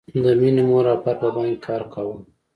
د مینې مور او پلار په بانک کې کار کاوه